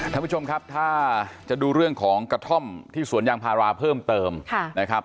ท่านผู้ชมครับถ้าจะดูเรื่องของกระท่อมที่สวนยางพาราเพิ่มเติมนะครับ